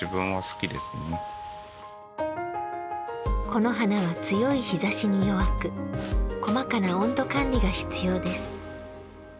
この花は強い日ざしに弱く、細かな温度管理が必要です。